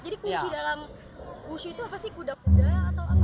jadi kunci dalam wushu itu apa sih kuda kuda atau apa